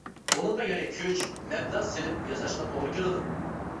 بۇنىڭغا يەنە كۈچ، مەبلەغ سېلىپ ياساشقا توغرا كېلىدۇ.